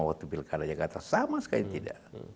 waktu pilkada jakarta sama sekali tidak